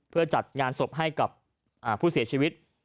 เพื่อจัดงานศพให้กับผู้เสียชีวิต